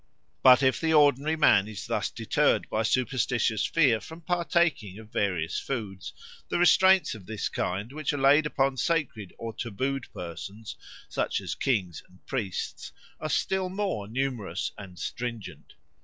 But if the ordinary man is thus deterred by superstitious fear from partaking of various foods, the restraints of this kind which are laid upon sacred or tabooed persons, such as kings and priests, are still more numerous and stringent.